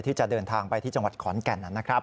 ที่จะเดินทางไปที่จังหวัดขอนแก่นนะครับ